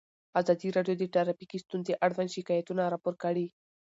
ازادي راډیو د ټرافیکي ستونزې اړوند شکایتونه راپور کړي.